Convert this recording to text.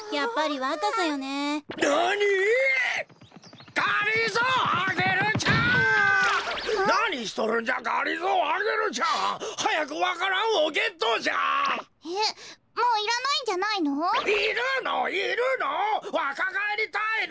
わかがえりたいの！